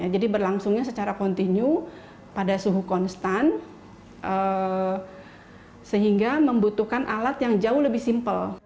jadi berlangsungnya secara kontinu pada suhu konstan sehingga membutuhkan alat yang jauh lebih simpel